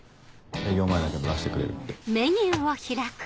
営業前だけど出してくれるって。